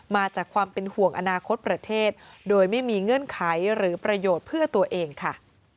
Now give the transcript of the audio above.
มาจากความเป็นห่วงอนาคตประเทศโดยไม่มีเงื่อนไขหรือประโยชน์เพื่อตัวเองค่ะ